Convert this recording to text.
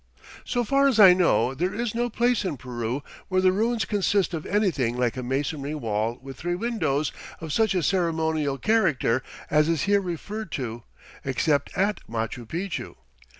So far as I know, there is no place in Peru where the ruins consist of anything like a "masonry wall with three windows" of such a ceremonial character as is here referred to, except at Machu Picchu.